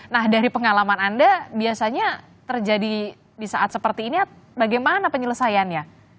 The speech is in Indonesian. nah dari pengalaman anda biasanya terjadi di saat seperti ini bagaimana penyelesaiannya